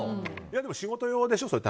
でも仕事用でしょ？